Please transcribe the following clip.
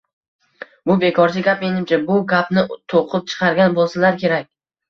– Bu – bekorchi gap, menimcha. Bu gapni to‘qib chiqargan bo‘lsalar kerak.